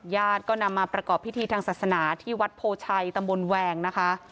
ญาติก็นำมาประกอบพิธีทางศาสนาที่วัดโพชัยตำบลแวงนะคะ